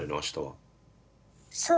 そう。